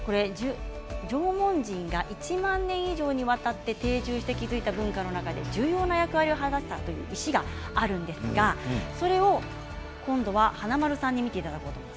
縄文人が１万年以上にわたって定住して築いた文化の中で重要な役割を果たしたという石があるんですがそれを今度は華丸さんに見ていただこうと思います。